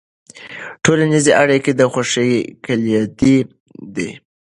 ټولنیزې اړیکې د خوښۍ کلیدي دي.